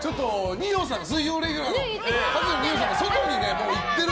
水曜レギュラーの二葉さんが外に行ってると。